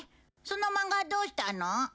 その漫画どうしたの？